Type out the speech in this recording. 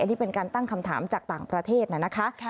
นี่เป็นการตั้งคำถามจากต่างประเทศนะคะ